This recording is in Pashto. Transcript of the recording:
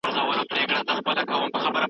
په کورني چاپیریال کې.